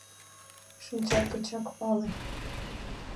Шинчат гычак пале!